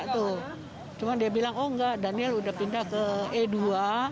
tuh cuma dia bilang oh enggak daniel udah pindah ke e dua